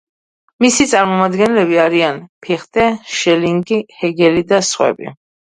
მისი წარმომადგენლები არიან: ფიხტე, შელინგი, ჰეგელი და სხვები.